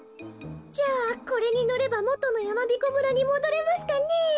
じゃあこれにのればもとのやまびこ村にもどれますかねえ。